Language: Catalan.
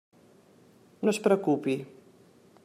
No es preocupi.